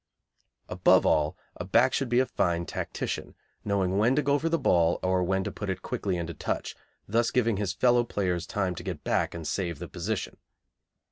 Above all, a back should be a fine tactician, knowing when to go for the ball or when to put it quickly into touch, thus giving his fellow players time to get back and save the position.